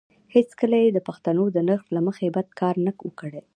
هېڅکله یې د پښتنو د نرخ له مخې بد کار نه وو کړی.